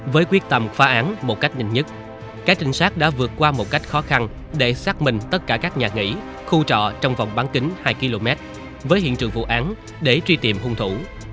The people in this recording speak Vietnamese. với quyết tâm phá án một cách nhanh nhất các trinh sát đã vượt qua một cách khó khăn để xác minh tất cả các nhà nghỉ khu trọ trong vòng bán kính hai km với hiện trường vụ án để truy tìm hung thủ